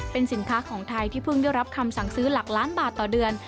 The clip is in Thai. เป็นสินค้าของไทยที่เพิ่งได้รับคำสั่งซื้อหลักล้านบาทต่อเดือน